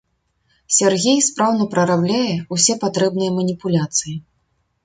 Сяргей спраўна прарабляе ўсе патрэбныя маніпуляцыі.